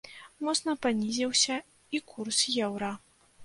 Моцна панізіўся і курс еўра.